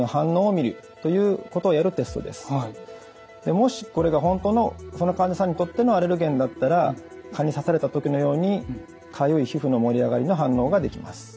もしこれが本当のその患者さんにとってのアレルゲンだったら蚊に刺された時のようにかゆい皮膚の盛り上がりの反応ができます。